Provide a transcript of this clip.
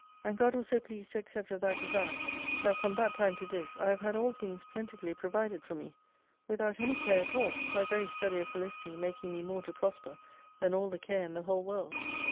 And God was so pleased to accept of that desire, that from that time to this, I have had all things plentifully provided for me, without any care at 194 all, my very study of Felicity making me more to prosper, than all the care in the whole world.